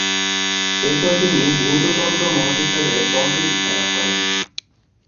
এরপর তিনি গ্যুতো তন্ত্র মহাবিদ্যালয়ে তন্ত্র শিক্ষালাভ করেন।